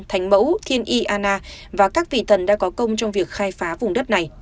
thành mẫu thiên y anna và các vị tần đã có công trong việc khai phá vùng đất này